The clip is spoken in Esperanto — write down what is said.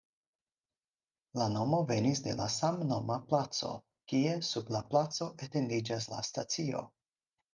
La nomo venis de la samnoma placo, kie sub la placo etendiĝas la stacio.